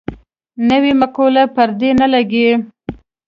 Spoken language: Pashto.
نوې مقولې پردۍ نه لګي.